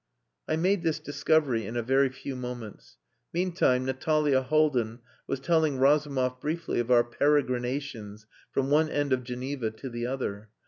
I made this discovery in a very few moments. Meantime, Natalia Haldin was telling Razumov briefly of our peregrinations from one end of Geneva to the other.